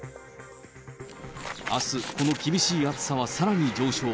あす、この厳しい暑さはさらに上昇。